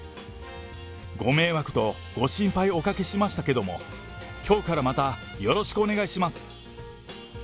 ご迷惑とご心配をおかけしましたけども、きょうからまたよろしくお願いします。